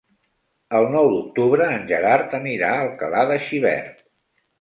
El nou d'octubre en Gerard anirà a Alcalà de Xivert.